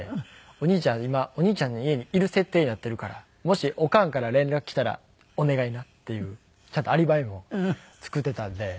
「お兄ちゃん今お兄ちゃんの家にいる設定になっているからもしおかんから連絡来たらお願いな」っていうちゃんとアリバイも作っていたので。